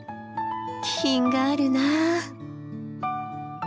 気品があるなあ。